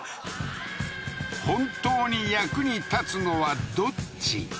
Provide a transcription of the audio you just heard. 本当に役に立つのはどっち？